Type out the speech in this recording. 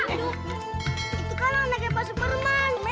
itu kan anaknya pak superman